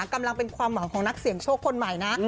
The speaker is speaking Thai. กำลังเป็นความหวังของนักเสี่ยงโชคคนใหม่นะ